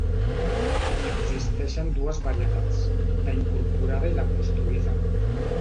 Existeixen dues varietats, la incorporada i la construïda.